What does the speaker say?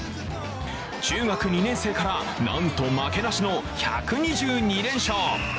中学２年生から、なんと負けなしの１２２連勝。